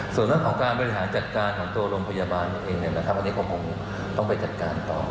ส่วนเรื่องของการบริหารจัดการของตัวโรงพยาบาลเองอันนี้ก็คงต้องไปจัดการต่อ